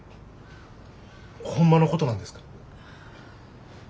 ホンマのことなんですか？